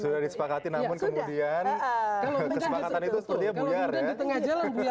sudah disepakati namun kemudian kesepakatan itu sepertinya buyar ya